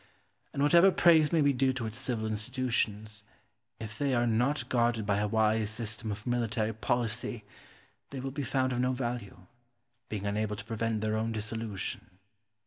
And whatever praise may be due to its civil institutions, if they are not guarded by a wise system of military policy, they will be found of no value, being unable to prevent their own dissolution.